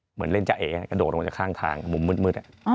เหมือนเล่นจ้าเอกระโดดลงจากข้างทางมุมมืด